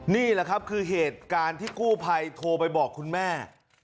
นี่แหละครับคือเหตุการณ์ที่กู้ภัยโทรไปบอกคุณแม่